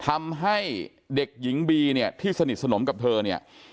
ทำให้เด็กหญิงบีเนี่ยที่สนิทสนมกับเธอเนี่ย